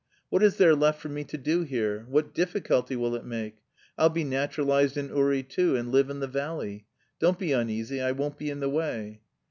"What is there left for me to do here? What difficulty will it make? I'll be naturalised in Uri, too, and live in the valley.... Don't be uneasy, I won't be in the way."